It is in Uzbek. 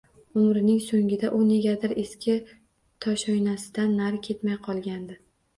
Umrining so’ngida u negadir eski toshoynasidan nari ketmay qolgandi.